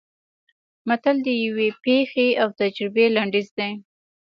متل د یوې پېښې او تجربې لنډیز دی